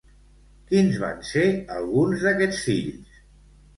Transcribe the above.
Quins van ser alguns d'aquests fills?